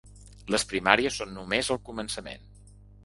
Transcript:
Les primàries són només el començament.